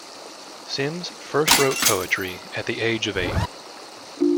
Simms first wrote poetry at the age of eight.